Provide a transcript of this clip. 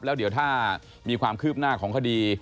แล้วเดี๋ยวถ้ามีความคืบหน้าของคดี